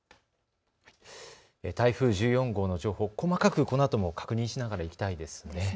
台風１４号の情報、細かくこのあとも確認しながらいきたいですね。